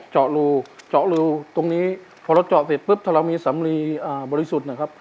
เจาะรูเจาะรูตรงนี้พอเราเจาะเสร็จปุ๊บถ้าเรามีสำลีบริสุทธิ์นะครับ